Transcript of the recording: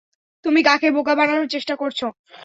তুমি কাকে বোকা বানানোর চেষ্টা করছো?